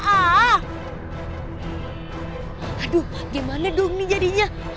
aduh gimana dong nih jadinya